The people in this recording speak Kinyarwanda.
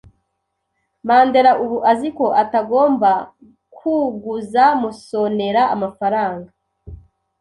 Mandera ubu azi ko atagomba kuguza Musonera amafaranga.